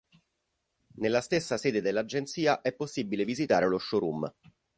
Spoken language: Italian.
Nella stessa sede dell'agenzia è possibile visitare lo showroom.